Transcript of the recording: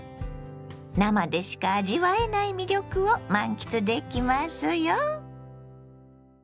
生でしか味わえない魅力を満喫できますよ。